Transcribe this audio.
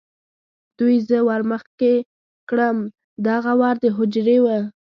دوی زه ور مخې کړم، دغه ور د هوجرې و.